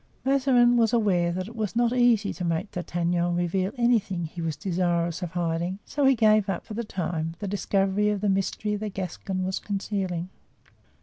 Mazarin was aware that it was not easy to make D'Artagnan reveal anything he was desirous of hiding, so he gave up, for the time, the discovery of the mystery the Gascon was concealing.